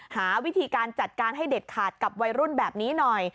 หาวิธีการจัดการให้เด็ดขาดกับวัยรุ่นแบบนี้หน่อย